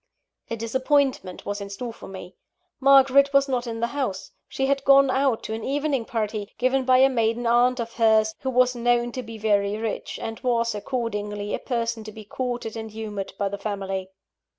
A disappointment was in store for me. Margaret was not in the house; she had gone out to an evening party, given by a maiden aunt of hers, who was known to be very rich, and was, accordingly, a person to be courted and humoured by the family.